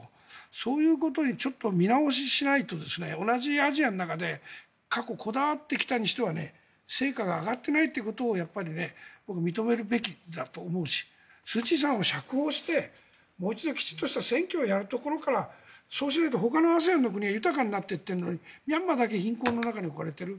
そういうことにちょっと見直ししないと同じアジアの中で過去、こだわってきたにしては成果が上がっていないということをやっぱり僕は認めるべきだと思うしスーチーさんを釈放してもう一度、きちんとした選挙をするところからそうしないとほかのＡＳＥＡＮの国が豊かになっていっているのにミャンマーだけ貧困の中に置かれている。